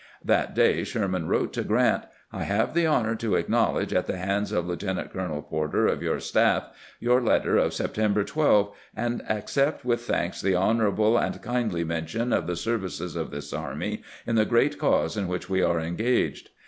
That day Sherman wrote to Grant :" I have the honor to acknowledge, at the hands of Lieutenant colonel Porter of your staff, your letter of September 12, and accept with thanks the honorable and kindly mention of the services of this army in the great cause in which we are aU engaged."